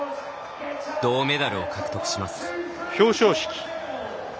銅メダルを獲得します。